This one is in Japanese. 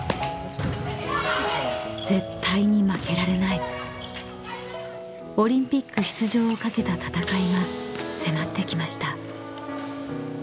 ［絶対に負けられないオリンピック出場を懸けた戦いが迫ってきました］